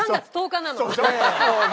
３月１０日なの。